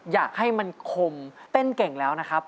อยากให้มันคมเต้นเก่งแล้วนะครับ